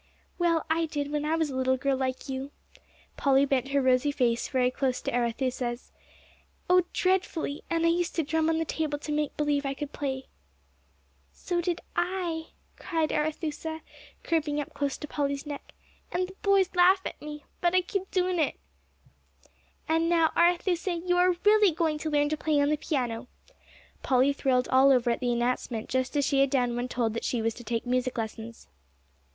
"Well, I did, when I was a little girl like you" Polly bent her rosy face very close to Arethusa's "oh, dreadfully; and I used to drum on the table to make believe I could play." "So do I," cried Arethusa, creeping up close to Polly's neck, "an' th' boys laugh at me. But I keep doin' it." "And now, Arethusa, you are really going to learn to play on the piano." Polly thrilled all over at the announcement, just as she had done when told that she was to take music lessons.